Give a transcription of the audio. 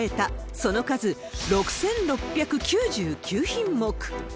その数６６９９品目。